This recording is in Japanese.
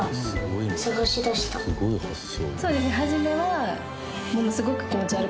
すごい発想。